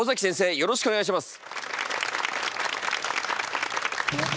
よろしくお願いします。